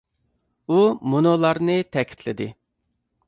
ئۇ مۇنۇلارنى تەكىتلىدى.